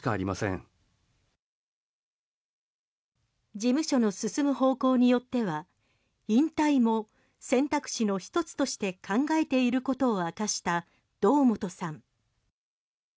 事務所の進む方向によっては引退も選択肢の１つとして考えていることを明かした堂本さん。